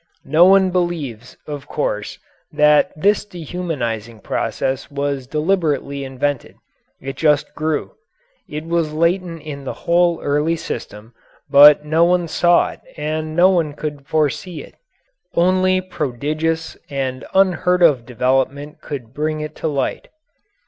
No one believes, of course, that this dehumanizing process was deliberately invented. It just grew. It was latent in the whole early system, but no one saw it and no one could foresee it. Only prodigious and unheard of development could bring it to light.